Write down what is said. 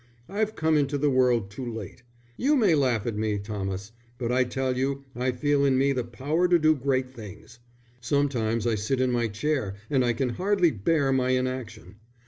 I've come into the world too late. You may laugh at me, Thomas, but I tell you I feel in me the power to do great things. Sometimes I sit in my chair and I can hardly bear my inaction.